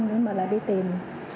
nhưng mà là đi tìm